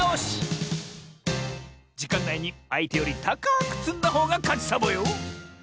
じかんないにあいてよりたかくつんだほうがかちサボよ！